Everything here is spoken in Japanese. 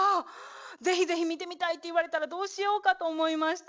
是非是非見てみたいって言われたらどうしようかと思いました。